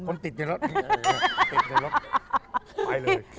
คนติดอยู่ในนั้นไปเลย